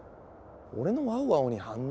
俺の「ワオワオ」に反応？